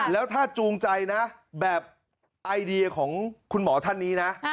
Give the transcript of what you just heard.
แล้วถ้าจูงใจนะแบบไอเดียของคุณหมอท่านนี้นะ